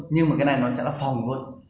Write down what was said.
nhưng mà cái này nó sẽ là phòng luôn